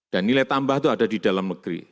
dan nilai tambah itu ada di dalam negeri